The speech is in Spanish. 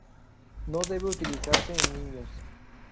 No debe utilizarse en niños.